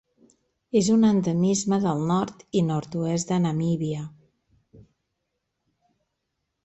És un endemisme del nord i nord-oest de Namíbia.